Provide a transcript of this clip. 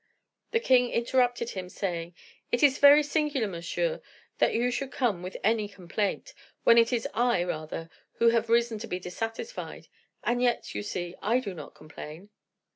The king interrupted him, saying, "It is very singular, monsieur, that you should come with any complaint, when it is I rather who have reason to be dissatisfied; and yet, you see, I do not complain."